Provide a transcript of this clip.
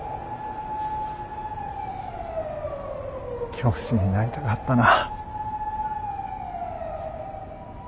教師になりたかったな。